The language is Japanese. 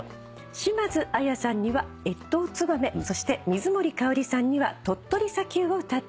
島津亜矢さんには『越冬つばめ』そして水森かおりさんには『鳥取砂丘』を歌っていただきます。